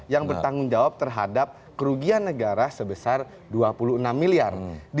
yang bertanggung jawab terhadap kerugian negara sebesar rp dua puluh enam miliar